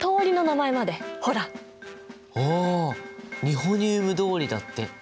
ニホニウム通りだって。